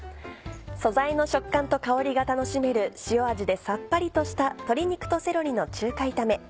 素材の食感と香りが楽しめる塩味でさっぱりとした「鶏肉とセロリの中華炒め」。